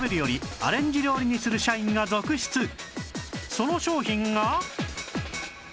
その商品が